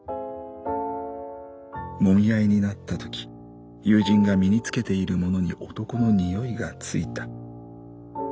揉み合いになったとき友人が身に着けているものに男の匂いがついた。